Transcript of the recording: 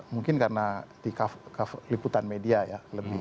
mungkin karena di liputan media ya